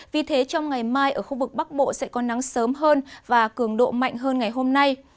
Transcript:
vì thế trong ngày mai ở khu vực bắc bộ sẽ có nắng sớm hơn và cường độ mạnh hơn ngày hôm nay